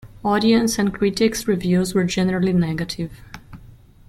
Audience and critics' reviews were generally negative.